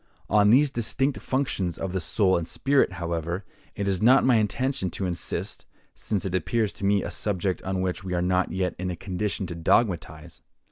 On these distinct functions of the soul and spirit, however, it is not my intention to insist, since it appears to me a subject on which we are not yet in a condition to dogmatize.